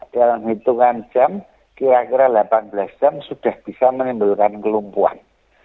dalam hitungan jam kira kira delapan belas jam sudah bisa menimbulkan kelumpuhan